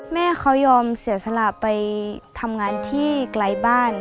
แม่เขายอมเสียสละไปทำงานที่ไกลบ้าน